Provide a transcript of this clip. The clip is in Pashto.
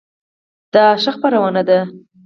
دا ښه خپرونه ده؟